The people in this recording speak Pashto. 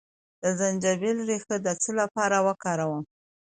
د زنجبیل ریښه د څه لپاره وکاروم؟